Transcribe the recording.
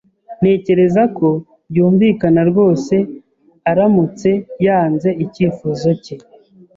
Ntekereza ko byumvikana rwose aramutse yanze icyifuzo cye.